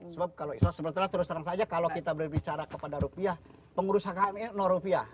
sebab kalau isos sebetulnya terus terang saja kalau kita berbicara kepada rupiah pengurus hkm ini rupiah